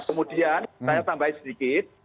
kemudian saya tambahin sedikit